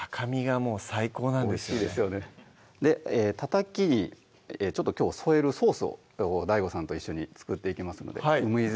たたきに添えるソースをＤＡＩＧＯさんと一緒に作っていきますので梅じ